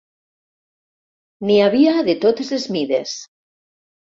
N'hi havia de totes les mides.